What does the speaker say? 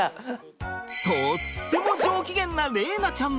とっても上機嫌な玲奈ちゃん。